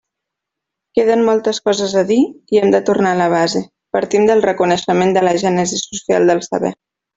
Queden moltes coses a dir, i hem de tornar a la base: partim del reconeixement de la gènesi social del saber.